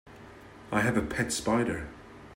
I have a pet spider.